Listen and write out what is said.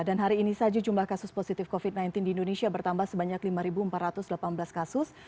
dan hari ini saja jumlah kasus positif covid sembilan belas di indonesia bertambah sebanyak lima empat ratus delapan belas kasus